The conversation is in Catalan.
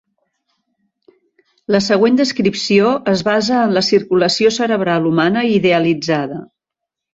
La següent descripció es basa en la circulació cerebral humana idealitzada.